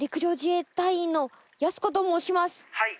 「はい」